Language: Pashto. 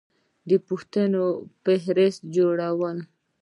د پوښتنو فهرست جوړول